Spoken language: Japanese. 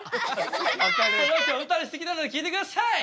それを今日歌にしてきたので聴いてください！